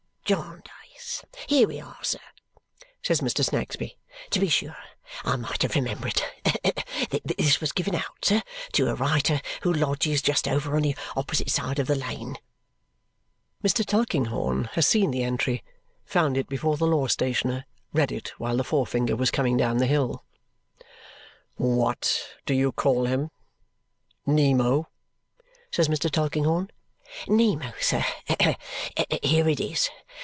"Jarndyce! Here we are, sir," says Mr. Snagsby. "To be sure! I might have remembered it. This was given out, sir, to a writer who lodges just over on the opposite side of the lane." Mr. Tulkinghorn has seen the entry, found it before the law stationer, read it while the forefinger was coming down the hill. "WHAT do you call him? Nemo?" says Mr. Tulkinghorn. "Nemo, sir. Here it is.